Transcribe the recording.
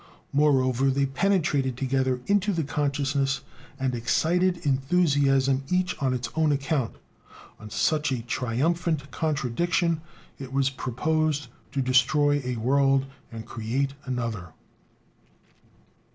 Moreover, they penetrated together into the consciousness and excited enthusiasm each on its own account; on such a triumphant contradiction it was proposed to destroy a world and create another.